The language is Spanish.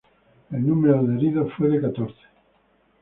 El número de heridos fue de catorce.